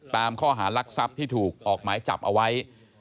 ตามข้อหารักทรัพย์ที่ถูกออกหมายจับเอาไว้